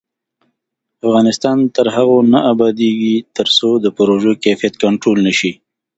افغانستان تر هغو نه ابادیږي، ترڅو د پروژو کیفیت کنټرول نشي.